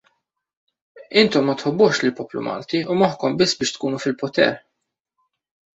Intom ma tħobbuhx lill-poplu Malti u moħħkom biss biex tkunu fil-poter!